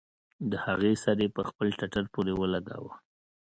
د هغې سر يې پر خپل ټټر پورې ولګاوه.